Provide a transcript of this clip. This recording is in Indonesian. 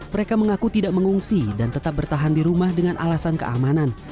mereka mengaku tidak mengungsi dan tetap bertahan di rumah dengan alasan keamanan